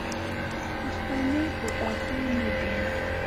پښتنې په کتو نه دي